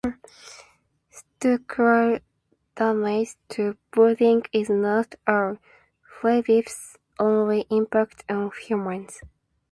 Structural damage to buildings is not "R. flavipes'" only impact on humans.